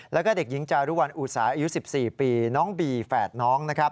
แล้วก็เด็กหญิงจารุวัลอุตสาอายุ๑๔ปีน้องบีแฝดน้องนะครับ